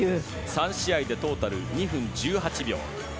３試合でトータル２分１８秒。